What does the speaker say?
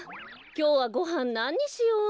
きょうはごはんなににしよう？